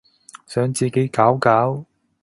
想自己搞搞